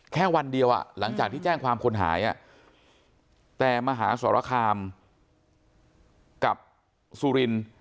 แค่วันเดียวหลังจากที่แจ้งความคนหายแต่มหาสรคามกับสุรินทร์